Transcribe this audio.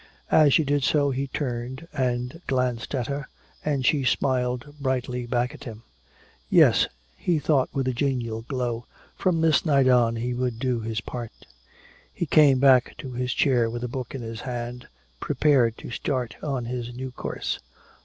As she did so he turned and glanced at her, and she smiled brightly back at him. Yes, he thought with a genial glow, from this night on he would do his part. He came back to his chair with a book in his hand, prepared to start on his new course.